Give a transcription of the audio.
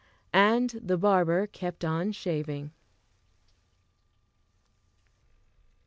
And the barber kept on shaving.